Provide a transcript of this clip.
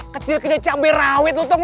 kecil kecil cabai rawit lu tung